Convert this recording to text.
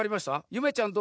ゆめちゃん